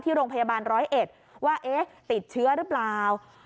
โรงพยาบาลร้อยเอ็ดว่าเอ๊ะติดเชื้อหรือเปล่า